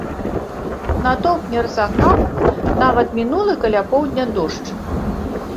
Натоўп не разагнаў нават мінулы каля поўдня дождж.